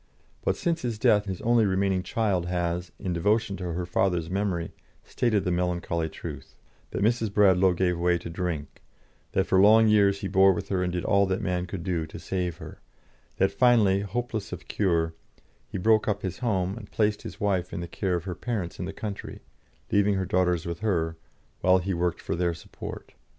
But since his death his only remaining child has, in devotion to her father's memory, stated the melancholy truth: that Mrs. Bradlaugh gave way to drink; that for long years he bore with her and did all that man could do to save her; that finally, hopeless of cure, he broke up his home, and placed his wife in the care of her parents in the country, leaving her daughters with her, while he worked for their support.